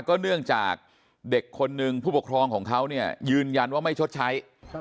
เนื่องจากเด็กคนนึงผู้ปกครองของเขาเนี่ยยืนยันว่าไม่ชดใช้